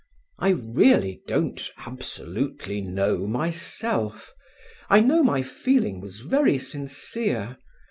"I really don't absolutely know myself; I know my feeling was very sincere.